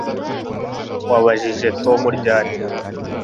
wabajije tom ryari